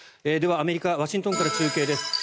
では、アメリカ・ワシントンから中継です。